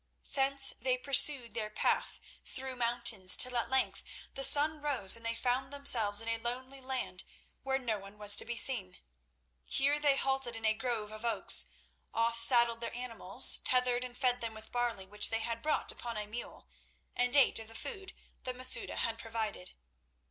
Thence they pursued their path through mountains till at length the sun rose and they found themselves in a lonely land where no one was to be seen. Here they halted in a grove of oaks, off saddled their animals, tethered and fed them with barley which they had brought upon a mule, and ate of the food that Masouda had provided.